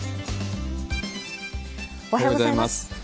おはようございます。